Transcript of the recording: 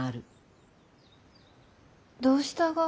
どうしたが？